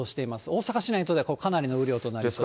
大阪市内でかなりの雨量となります。